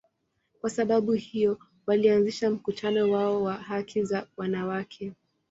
Kwa sababu hiyo, walianzisha mkutano wao wa haki za wanawake.